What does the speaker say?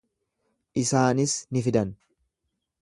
Isaanis ni fidan.